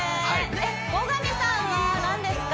えっ後上さんは何ですか？